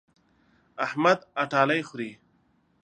احمد اټالۍ خوري.